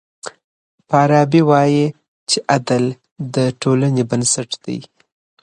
فارابي وايي چي عدل د ټولني بنسټ دی.